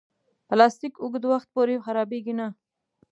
پلاستيک اوږد وخت پورې خرابېږي نه.